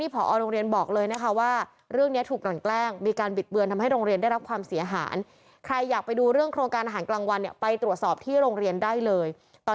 เป็นเรื่องของตัวเท่าเสาเงาเท่าบ้านเท่าตึกเลย